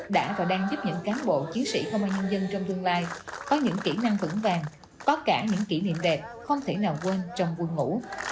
đã và đang giúp những cán bộ chiến sĩ không ai nhân dân trong tương lai có những kỹ năng vững vàng có cả những kỷ niệm đẹp không thể nào quên trong vui ngủ